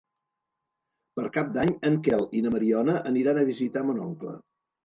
Per Cap d'Any en Quel i na Mariona aniran a visitar mon oncle.